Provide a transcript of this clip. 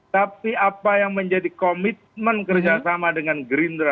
tapi apa yang menjadi komitmen kerjasama dengan gerindra